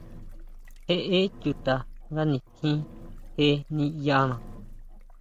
Jeʼe chuta nga nitjín je niʼyana.